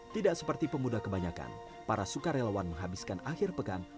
tidak seperti pemuda kebanyakan para sukarelawan menghabiskan akhir pekan